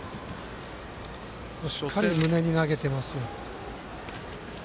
しっかりと胸に投げてます。